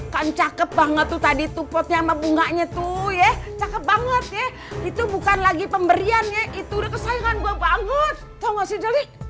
kan cakep banget tuh tadi potnya sama bunganya tuh ya cakep banget ya itu bukan lagi pemberian ya itu udah kesayangan gue banget tau gak sih jali